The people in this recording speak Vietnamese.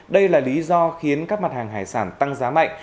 đây là lý do khiến các mặt hàng hải sản tăng giá mạnh